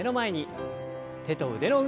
手と腕の運動から。